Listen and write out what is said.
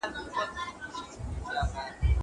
چپنه د مور له خوا پاکه کيږي.